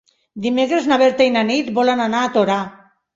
Dimecres na Berta i na Nit volen anar a Torà.